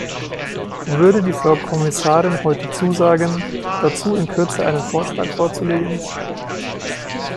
Würde die Frau Kommissarin heute zusagen, dazu in Kürze einen Vorschlag vorzulegen?